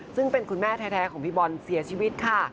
ซึ่งเป็นคุณแม่แท้ของพี่บอลเสียชีวิตค่ะ